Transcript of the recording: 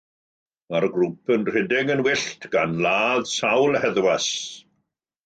Mae'r grŵp yn rhedeg yn wyllt, gan ladd sawl heddwas.